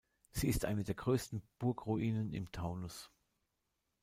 Sie ist eine der größten Burgruinen im Taunus.